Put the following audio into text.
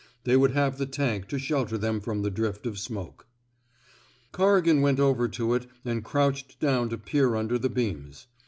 They would have the tank to shel ter them from the drift of smoke. Corrigan went over to it and crouched down to peer under the beams.